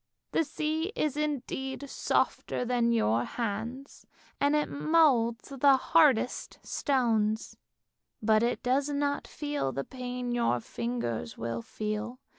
The sea is indeed softer than your hands, and it moulds the hardest stones, but it does not feel the pain your fingers will feel.